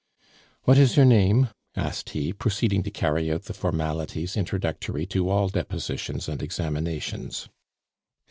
"What is your name?" asked he, proceeding to carry out the formalities introductory to all depositions and examinations.